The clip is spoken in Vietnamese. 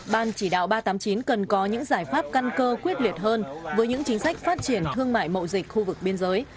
ban chỉ đạo ba trăm tám mươi chín cần có những giải pháp căn cơ quyết liệt hơn với những chính sách phát triển thương mại mậu dịch khu vực biên giới